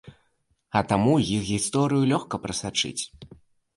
А таму іх гісторыю лёгка прасачыць.